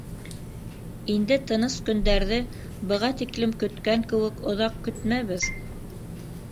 Инде тыныс көндәрҙе быға тиклем көткән кеүек оҙаҡ көтмәбеҙ.